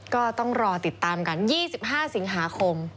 ก็ต้องรอติดตามกัน๒๕สิงหาคม